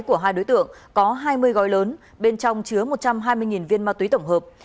của hai đối tượng có hai mươi gói lớn bên trong chứa một trăm hai mươi viên ma túy tổng hợp